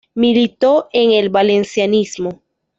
Militó en el valencianismo.